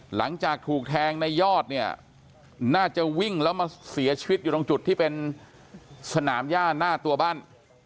หลังจากถูกแทงในยอดเนี่ยน่าจะวิ่งแล้วมาเสียชีวิตอยู่ตรงจุดที่เป็นสนามย่าหน้าตัวบ้าน